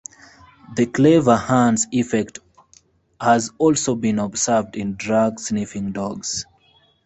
The Clever Hans Effect has also been observed in drug sniffing dogs.